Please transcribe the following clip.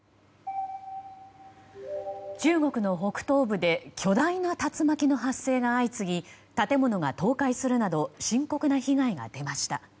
中国の北東部で巨大な竜巻の発生が相次ぎ建物が倒壊するなど深刻な被害が出ました。